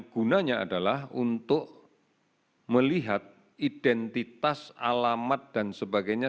gunanya adalah untuk melihat identitas alamat dan sebagainya